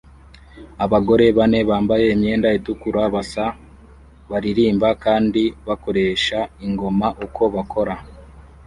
Abagore bane bambaye imyenda itukura basa baririmba kandi bakoresha ingoma uko bakora